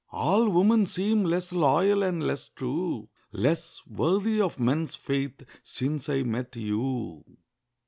All women seem less loyal and less true, Less worthy of men's faith since I met you.